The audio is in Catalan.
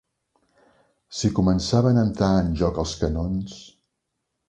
Si començaven a entrar en joc els canons...